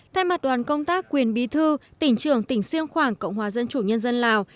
thay mặt đoàn công tác quyền bí thư tỉnh trường tỉnh siêng khoảng cộng hòa dân chủ nhân dân lào